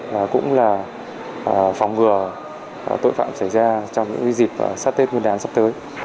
và cũng là phóng ngừa tội phạm xảy ra trong những dịp sát tết nguyên đáng sắp tới